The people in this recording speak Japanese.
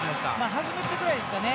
初めてくらいですね。